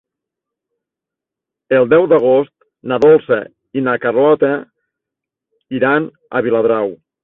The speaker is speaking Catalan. El deu d'agost na Dolça i na Carlota iran a Viladrau.